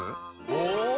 お！